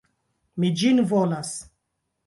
Mi ĝin volas!